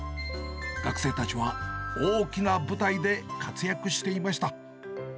学生たちは、大きな舞台で活躍していました。